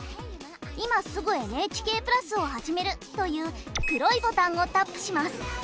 「今すぐＮＨＫプラスをはじめる」という黒いボタンをタップします。